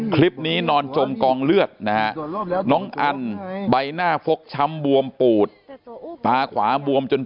คลิปนี้นอโลกเรือดนะน้องอันใบหน้าพกชำบวมป่าขวามวมจน